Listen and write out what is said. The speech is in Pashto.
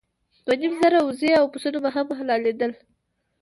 دوه نیم زره اوزې او پسونه به هم حلالېدل.